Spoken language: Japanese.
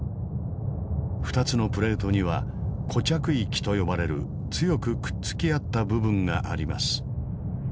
２つのプレートには固着域と呼ばれる強くくっつき合った部分があります。